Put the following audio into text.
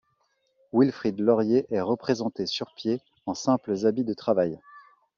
Wilfrid Laurier est représenté sur pied en simples habits de travail.